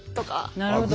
なるほど。